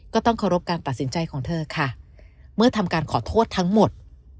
ก็ต้องเคารพการตัดสินใจของเธอค่ะเมื่อทำการขอโทษทั้งหมด